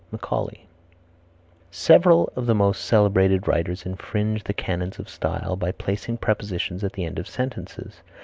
Macaulay. Several of the most celebrated writers infringe the canons of style by placing prepositions at the end of sentences.